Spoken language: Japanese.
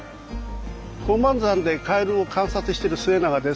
宝満山でカエルを観察してる末永です。